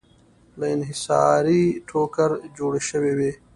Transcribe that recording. له انحصاري ټوکر جوړې شوې وې.